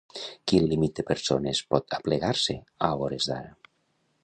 Quin límit de persones pot aplegar-se, a hores d'ara?